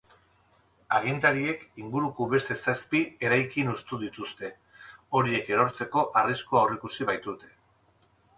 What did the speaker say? Agintariek inguruko beste zazpi eraikin hustu dituzte, horiek erortzeko arriskua aurreikusi baitute.